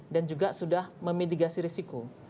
dan juga sudah memindikasi risiko